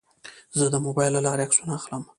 زه د موبایل له لارې عکسونه اخلم.